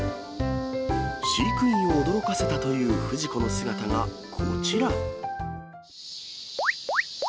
飼育員を驚かせたというフジコの姿がこちら。